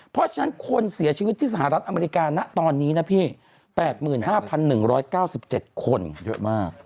เพราะฉะนั้นคนเสียชีวิตที่สหรัฐอเมริกานะตอนนี้นะพี่๘๕๑๙๗คนเยอะมาก